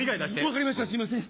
分かりましたすいません。